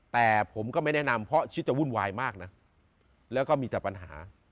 แต่ผมก็ไม่แนะนำเพราะคิดจะวุ่นวายมากนะแล้วก็มีแต่ปัญหา